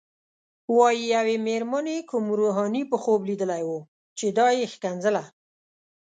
وايي یوې مېرمنې کوم روحاني په خوب لیدلی و چې دا یې ښکنځله.